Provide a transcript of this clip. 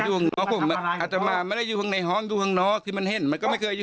อยู่จะไหนอยู่จะไหนไปเรียงกันร้องตลอดไม่เคยอยู่